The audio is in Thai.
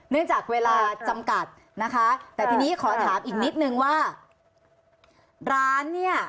จากเวลาจำกัดนะคะแต่ทีนี้ขอถามอีกนิดนึงว่าร้านเนี่ย